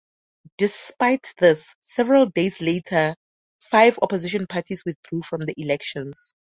Despite this, several days later five opposition parties withdrew from the elections.